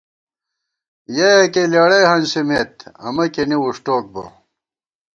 یَہ یَکِیہ لېڑَئی ہنسِمېت، امہ کېنےوُݭٹوک بہ